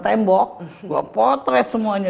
tembok gue potret semuanya